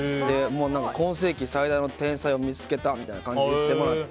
今世紀最大の天才を見つけたみたいな感じで言ってもらって。